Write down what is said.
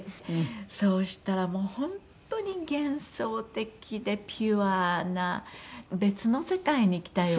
「そうしたらもう本当に幻想的でピュアな別の世界に来たような」